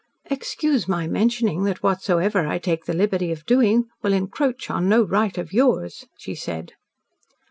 "Excuse my mentioning that whatsoever I take the liberty of doing will encroach on no right of yours," she said.